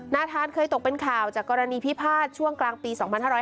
นาธานเคยตกเป็นข่าวจากกรณีพิพาทช่วงกลางปี๒๕๕๙